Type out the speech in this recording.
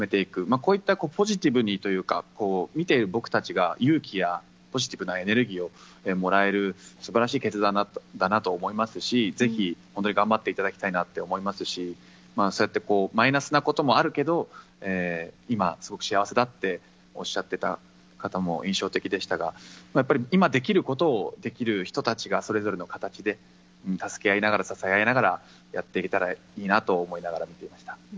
こういったポジティブにというか、見ている僕たちが勇気やポジティブなエネルギーをもらえるすばらしい決断だなと思いますし、ぜひ、本当に頑張っていただきたいなと思いますし、そうやってマイナスなこともあるけど、今、すごく幸せだっておっしゃってた方も印象的でしたが、やっぱり今できることをできる人たちがそれぞれの形で、助け合いながら、支え合いながらやっていけたらいいなと思いながら見ていました。